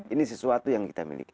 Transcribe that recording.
ini sesuatu yang kita miliki